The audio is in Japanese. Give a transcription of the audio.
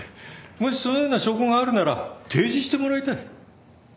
もしそのような証拠があるなら提示してもらいたい。